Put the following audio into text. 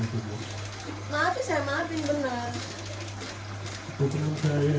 mengapa mereka tega menembak putrinya